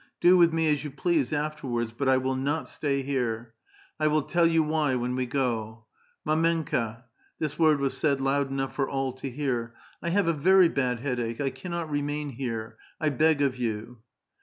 Do with me as you please afterwards, but I will not stay here. 1 will tell you why when we go. Md/menka" — this word was said loud enough for all to hear — "I have a vei y bad headache. I cannot remain here. I beg of you